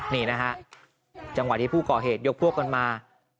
นี่นะฮะจังหวะที่ผู้ก่อเหตุยกพวกกันมา